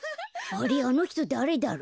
あれあのひとだれだろ？